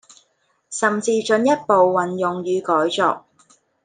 甚至進一步運用與改作